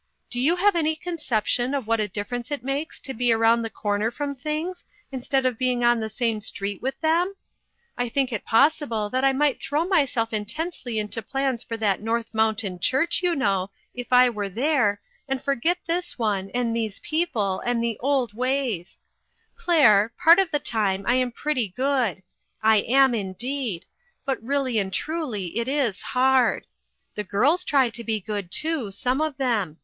Do you have any conception of what a difference it makes to be around the corner from things, instead of being on the same street with them ? I think it pos sible that I might throw myself intensely into plans for that North Mountain Church, you know, if I were there, and forget this one, and these people, and the old ways. 428 INTERRUPTED. " Claire, part of the time I am pretty good ; I am, indeed ; but really and truly, it is hard. The girls try to be good, too, some of them.